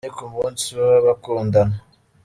Roo na Penny ku munsi w’abakundana.